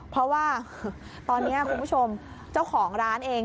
เพราะว่าตอนนี้คุณผู้ชมเจ้าของร้านเอง